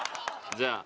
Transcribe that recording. じゃあ。